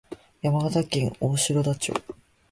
山形県大石田町